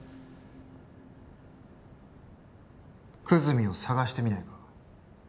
久住を捜してみないか？